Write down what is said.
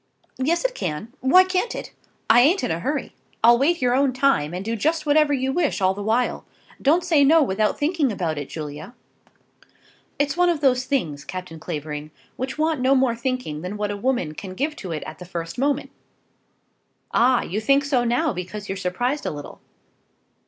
"Yes, it can. Why can't it? I ain't in a hurry. I'll wait your own time, and do just whatever you wish all the while. Don't say no without thinking about it, Julia." "It is one of those things, Captain Clavering, which want no more thinking than what a woman can give to it at the first moment." "Ah, you think so now, because you're surprised a little."